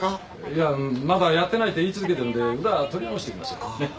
いやまだやってないって言い続けてるんで裏取り直してきますよねっ？